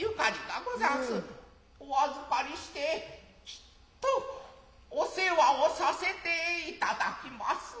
お預かりしてきっとお世話をさせて戴きまする。